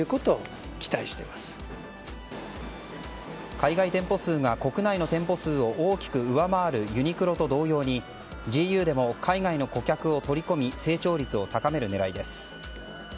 海外店舗数が国内の店舗を大きく上回るユニクロと同様にＧＵでも海外の顧客を取り込み成長率を高める狙いです。